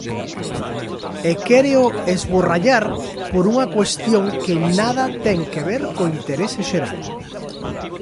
E quéreo esborrallar por unha cuestión que nada ten que ver co interese xeral.